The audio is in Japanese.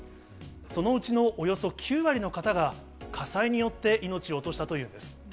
そのうちのおよそ９割の方が、火災によって命を落としたというんです。